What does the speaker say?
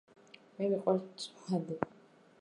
მე მიყვარს მწვადი